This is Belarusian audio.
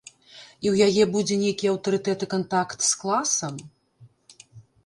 І ў яе будзе нейкі аўтарытэт і кантакт з класам?